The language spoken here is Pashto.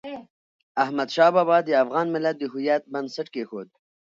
احمد شاه بابا د افغان ملت د هویت بنسټ کېښود.